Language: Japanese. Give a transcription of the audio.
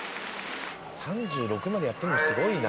「３６までやったのもすごいな」